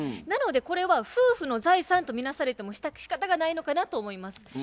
なのでこれは夫婦の財産とみなされてもしかたがないのかなと思います。